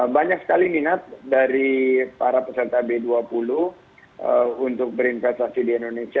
banyak sekali minat dari para peserta b dua puluh untuk berinvestasi di indonesia